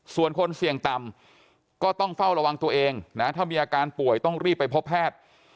ส่วนคนเสี่ยงต่ำก็ต้องเฝ้าระวังตัวเองนะถ้ามีอาการป่วยต้องรีบไปพบแพทย์